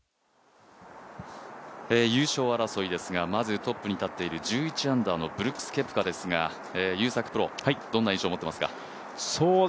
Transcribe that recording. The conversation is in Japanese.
優勝争いですが、まずトップに立っている１１アンダーのブルックス・ケプカですが、どんな印象を持っていますか？